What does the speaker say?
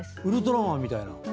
ウルトラマンみたいな。